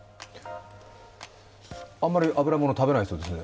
あんまり油もの食べないそうですね。